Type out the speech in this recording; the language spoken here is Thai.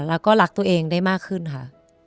แล้วก็รักตัวเองได้มากขึ้นค่ะ